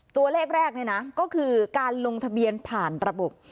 ตัวเลขแรกนี่นะก็คือการลงทะเบียนผ่านระบบ